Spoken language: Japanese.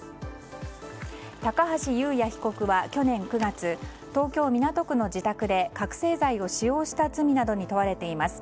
高橋祐也被告は去年９月東京・港区の自宅で覚醒剤を使用した罪などに問われています。